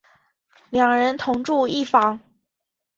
两人同住一房。